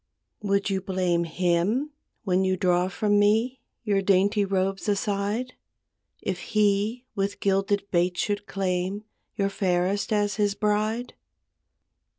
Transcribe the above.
Would you blame him, when you draw from me Your dainty robes aside, If he with gilded baits should claim Your fairest as his bride?